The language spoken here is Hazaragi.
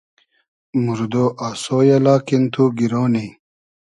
موردۉ آسۉ یۂ لاکین تو گیرۉ نی